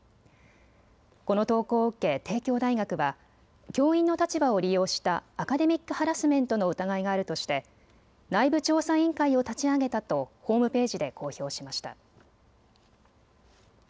この投稿を受け、帝京大学は教員の立場を利用したアカデミックハラスメントの疑いがあるとして内部調査委員会を立ち上げたとホームページで公表しました。